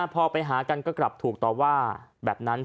พอไปหากันก็กลับถูกต่อว่าแบบนั้น